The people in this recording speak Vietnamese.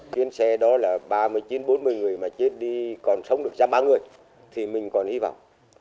chuyến xe đó là ba mươi chín bốn mươi người mà chết đi còn sống được giam ba người thì mình còn hy vọng